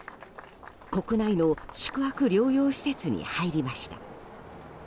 国内の宿泊療養施設に入りました。